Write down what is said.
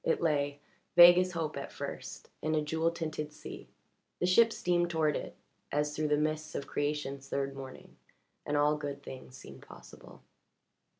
It lay, vague as hope at first, in a jewel tinted sea; the ship steamed toward it as through the mists of creation's third morning, and all good things seemed possible.